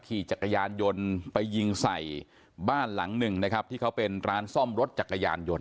ขี่จักรยานยนต์ไปยิงใส่บ้านหลังหนึ่งนะครับที่เขาเป็นร้านซ่อมรถจักรยานยนต